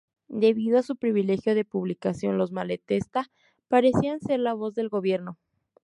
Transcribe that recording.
Debido a su privilegio de publicación, los Malatesta parecían ser la voz del gobierno.